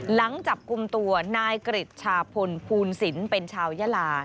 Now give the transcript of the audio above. หลังจับกลุ่มตัวนายกริจชาพลภูนศิลป์เป็นชาวยาลา